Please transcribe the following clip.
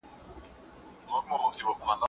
تاسو باید د مقالي لپاره یوه نوې سرچینه پیدا کړئ.